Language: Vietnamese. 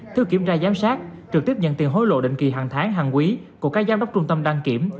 theo kiểm tra giám sát trực tiếp nhận tiền hối lộ định kỳ hàng tháng hàng quý của các giám đốc trung tâm đăng kiểm